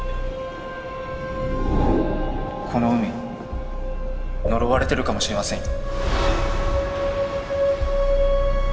この海呪われてるかもしれませんよ。